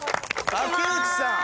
竹内さん